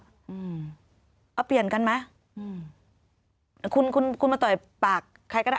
อืมเอาเปลี่ยนกันไหมอืมคุณคุณคุณมาต่อยปากใครก็ได้